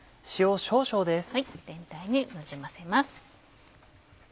全体になじませます。